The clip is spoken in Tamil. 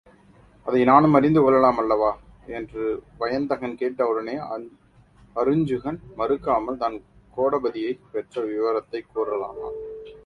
அதை நானும் அறிந்துகொள்ளலாம் அல்லவா? என்று வயந்தகன் கேட்டவுடனே அருஞ்சுகன் மறுக்காமல், தான் கோடபதியைப் பெற்ற விவரத்தைக் கூறலானான்.